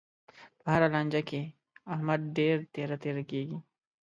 په هره لانجه کې، احمد ډېر تېره تېره کېږي.